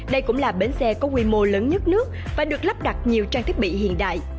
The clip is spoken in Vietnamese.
đây cũng là bến xe có quy mô lớn nhất nước và được lắp đặt nhiều trang thiết bị hiện đại